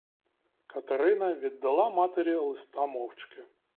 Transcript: Катерина віддала матері листа мовчки.